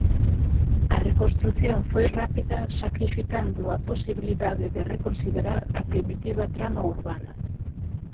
A reconstrución foi rápida sacrificando a posibilidade de reconsiderar a primitiva trama urbana.